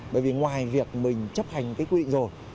bởi vì ngoài việc mình chấp hành cái quy định rồi